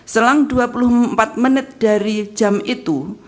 selang dua puluh empat menit dari jam itu